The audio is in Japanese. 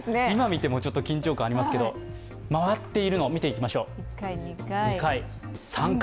今見ても緊張感ありますけど、回っているの見ていきましょう。